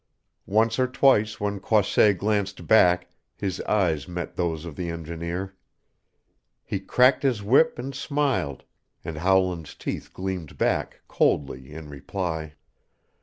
Once or twice when Croisset glanced back his eyes met those of the engineer. He cracked his whip and smiled, and Howland's teeth gleamed back coldly in reply.